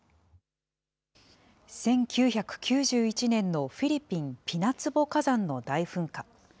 １９９１年のフィリピン・ピナツボ火山の大噴火。